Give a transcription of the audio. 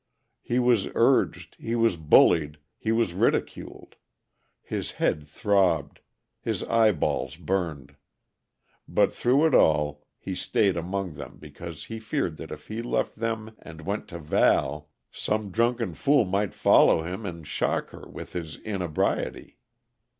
He was urged, he was bullied, he was ridiculed. His head throbbed, his eyeballs burned. But through it all he stayed among them because he feared that if he left them and went to Val, some drunken fool might follow him and shock her with his inebriety.